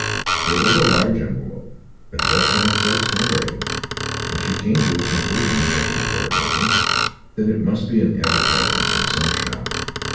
It was a large envelope, addressed in a clerk's handwriting, and she came to the conclusion, as she tore it open, that it must be an advertisement from some shop.